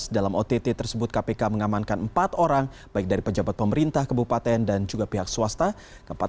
dalam ott tersebut kpk mengamankan empat orang baik dari pejabat pemerintah kebupaten dan juga pihak swasta